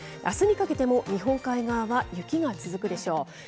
あすにかけても日本海側は雪が続くでしょう。